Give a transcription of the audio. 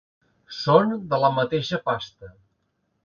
Són de la mateixa pasta.